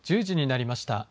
１０時になりました。